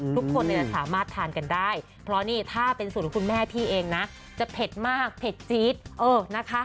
ทุกคนสามารถทานกันได้เพราะนี่ถ้าเป็นสูตรของคุณแม่พี่เองนะจะเผ็ดมากเผ็ดจี๊ดเออนะคะ